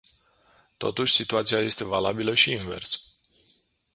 Totuși, situația este valabilă și invers.